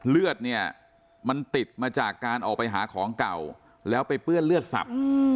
เลือดเนี่ยมันติดมาจากการออกไปหาของเก่าแล้วไปเปื้อนเลือดสับ